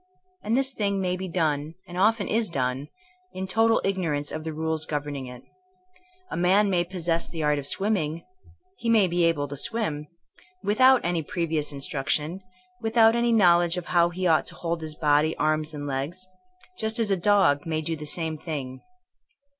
And this thing may be done, and often is done, in total ignorance of the rules governing it. A man may possess the art of swimming — ^he may be able to swim — without any previous instruction, without any knowledge of how he ought to hold his body, arms and legs ; just as a dog may do the same thing.